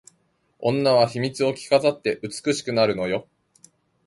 女は秘密を着飾って美しくなるのよ